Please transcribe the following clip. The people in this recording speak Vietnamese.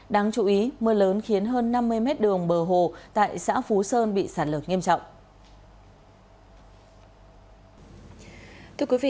đáng chú ý mưa lớn khiến hơn năm mươi m đường bờ hồ tại xã phú sơn bị sản lược nghiêm trọng